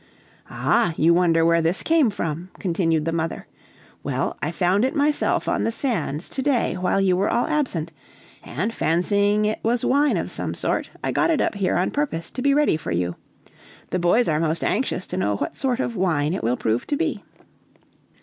"Ah! you wonder where this came from," continued the mother; "well, I found it myself on the sands, to day, while you were all absent; and fancying it was wine of some sort, I got it up here on purpose to be ready for you. The boys are most anxious to know what sort of wine it will prove to be."